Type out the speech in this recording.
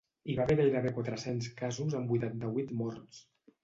Hi va haver gairebé quatre-cents casos amb vuitanta-vuit morts.